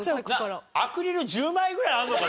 アクリル１０枚ぐらいあるのか？